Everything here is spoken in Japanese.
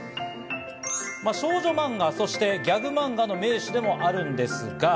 少女漫画、そしてギャク漫画の名手でもあるんですが。